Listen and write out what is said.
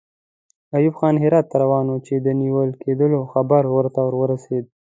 ایوب خان هرات ته روان وو چې د نیول کېدلو خبر ورته ورسېد.